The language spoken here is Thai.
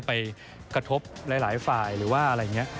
ไปกระทบหลายฝ่ายหรือว่าอะไรอย่างนี้